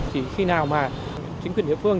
chỉ khi nào mà chính quyền địa phương